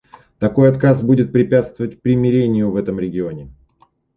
Такой отказ будет препятствовать примирению в этом регионе.